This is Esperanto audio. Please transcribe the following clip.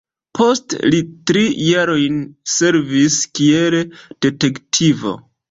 Poste li tri jarojn servis kiel detektivo.